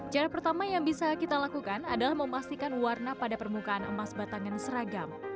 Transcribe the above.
cara pertama yang bisa kita lakukan adalah memastikan warna pada permukaan emas batangan seragam